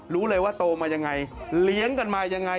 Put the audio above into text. รู้เลยว่าโตมาอย่างไรเลี้ยงกันมาอย่างไร